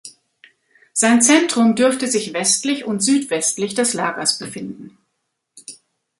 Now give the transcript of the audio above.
Sein Zentrum dürfte sich westlich und südwestlich des Lagers befinden.